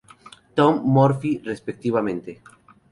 Tom Murphy respectivamente.